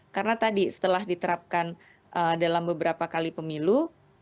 karena tadi setelah diterapkan dalam beberapa kali pemilu